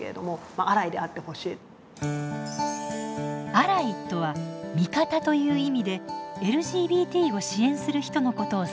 「アライ」とは「味方」という意味でＬＧＢＴを支援する人のことを指します。